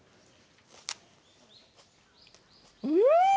うん！